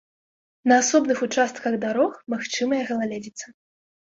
На асобных участках дарог магчымая галаледзіца.